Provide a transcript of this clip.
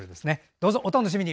どうぞお楽しみに！